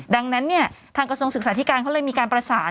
ดังนั้นเนี่ยทางกระทรวงศึกษาธิการเขาเลยมีการประสาน